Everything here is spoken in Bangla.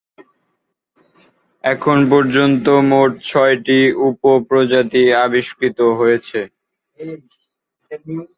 এখনও পর্যন্ত মোট ছয়টি উপ-প্রজাতি আবিষ্কৃত হয়েছে।